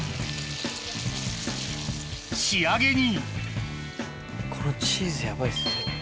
仕上げにこのチーズヤバいっす絶対。